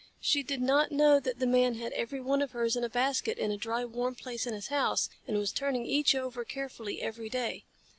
She did not know that the Man had every one of hers in a basket in a dry, warm place in the house, and was turning each over carefully every day.